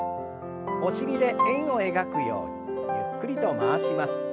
お尻で円を描くようにゆっくりと回します。